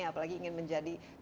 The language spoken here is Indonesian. apalagi ingin menjadi pesantren